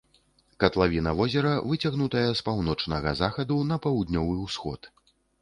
Катлавіна возера выцягнутая з паўночнага захаду на паўднёвы ўсход.